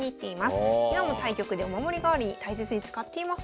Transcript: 今も対局でお守り代わりに大切に使っていますということです。